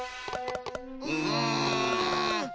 うん！